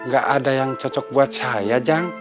gak ada yang cocok buat saya jang